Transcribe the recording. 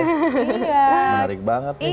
menarik banget nih